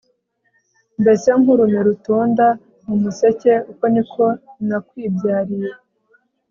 mbese nk'urume rutonda mu museke, uko ni ko nakwibyariye